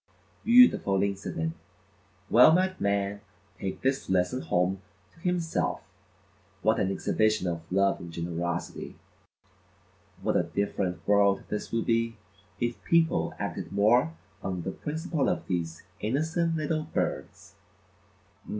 Beautiful incident; well might man take this lesson home to himself; what an exhibition of love and generosity; what a different world this would be if people acted more on the principle of these innocent little birds!